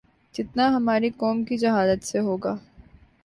جتنا ہماری قوم کی جہالت سے ہو گا